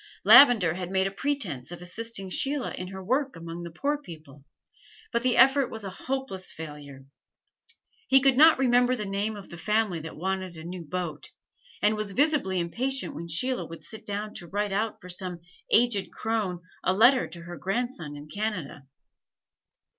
Lavender had made a pretense of assisting Sheila in her work among the poor people, but the effort was a hopeless failure. He could not remember the name of the family that wanted a new boat, and was visibly impatient when Sheila would sit down to write out for some aged crone a letter to her grandson in Canada.